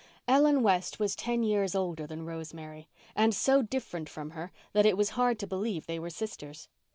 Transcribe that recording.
Ellen West was ten years older than Rosemary, and so different from her that it was hard to believe they were sisters.